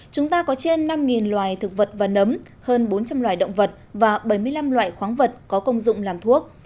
chúng ta có trên năm loài thực vật và nấm hơn bốn trăm linh loài động vật và bảy mươi năm loài khoáng vật có công dụng làm thuốc